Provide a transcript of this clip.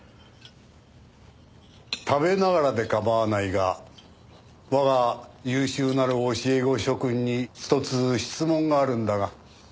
食べながらで構わないが我が優秀なる教え子諸君にひとつ質問があるんだが。